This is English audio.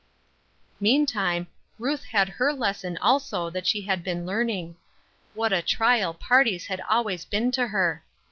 Meantime, Ruth had her lesson also that she had been learning. What a trial parties had always been to her!